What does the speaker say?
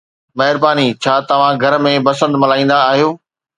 مهرباني. ڇا توهان گهر ۾ بسنت ملهائيندا آهيو؟